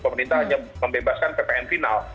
pemerintah hanya membebaskan ppn final